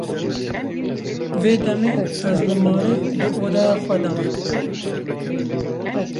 Vê demê, Ez li malê di odeya xwe de me.